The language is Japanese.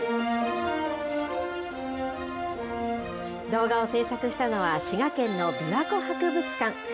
動画を制作したのは、滋賀県の琵琶湖博物館。